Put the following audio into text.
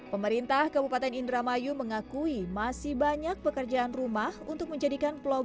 pemerintah kabupaten indramayu mengakui masih banyak pekerjaan rumah untuk menjadikan pulau g